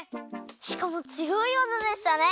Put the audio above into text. しかもつよい技でしたね。